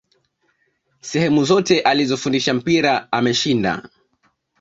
sehemu zote alizofundisha mpira ameshinda